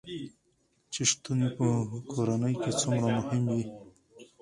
چې شتون يې په کورنے کې څومره مهم وي